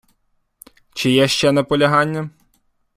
Чи є ще наполягання?